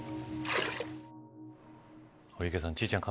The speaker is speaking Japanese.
堀池さん